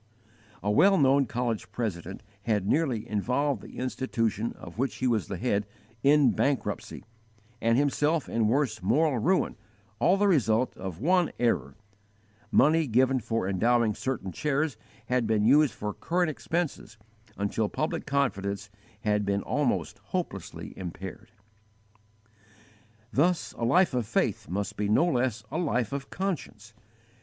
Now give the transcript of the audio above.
A well known college president had nearly involved the institution of which he was the head, in bankruptcy, and himself in worse moral ruin, all the result of one error money given for endowing certain chairs had been used for current expenses until public confidence had been almost hopelessly impaired. Thus a life of faith must be no less a life of _conscience.